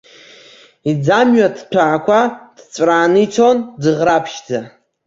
Иӡамҩа ҭҭәаақәа ҭҵәрааны ицон, дӡыӷраԥшьӡа.